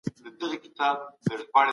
روژه نیول د روغتیا لپاره ګټه لري.